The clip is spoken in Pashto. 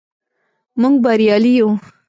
موږ بریالي یو.